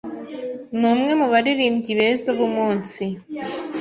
Ni umwe mu baririmbyi beza b'umunsi.